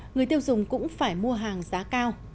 người tiêu dùng cũng phải mua hàng giá cao